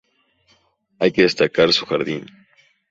Hay que destacar su jardín.